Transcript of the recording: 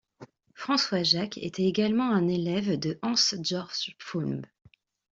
François Jacques était également un élève de Hans-Georg Pflaum.